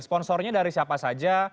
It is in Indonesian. sponsornya dari siapa saja